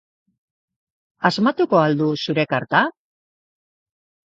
Asmatuko al du zure karta?